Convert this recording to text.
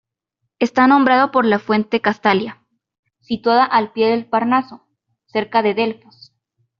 Está nombrado por la fuente Castalia, situada al pie del Parnaso, cerca de Delfos.